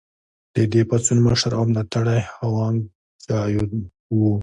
د دې پاڅون مشر او ملاتړی هوانګ چائو و.